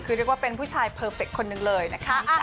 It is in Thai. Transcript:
คือเรียกว่าเป็นผู้ชายเพอร์เฟคคนหนึ่งเลยนะคะ